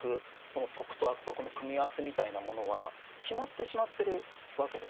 この「徳」と「悪徳」の組み合わせみたいなものは決まってしまってるわけですね。